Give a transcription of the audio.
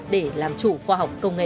để làm chủ khoa học công nghệ